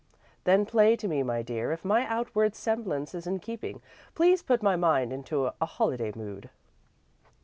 "Then play to me, my dear. If my outward semblance is in keeping, please put my mind into a holiday mood."